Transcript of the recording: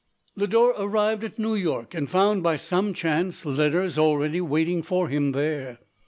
Lodore arrived at New York, and found, by some chance, letters already waiting for him there.